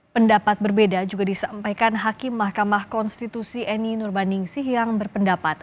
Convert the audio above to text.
pendapat berbeda juga disampaikan hakim mahkamah konstitusi eni nurbaningsih yang berpendapat